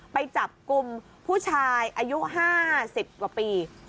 ไปจับกลุ่มผู้ชายอายุ๕๐กว่าปี